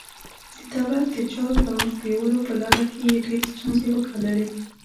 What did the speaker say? د دولت د چارو پر مخ بیولو په لاره کې یې ډېرې ستونزې وګاللې.